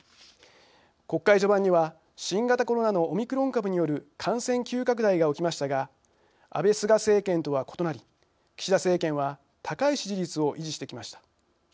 国会序盤には新型コロナのオミクロン株による感染急拡大が起きましたが安倍・菅政権とは異なり岸田政権は高い支持率を維持してきました。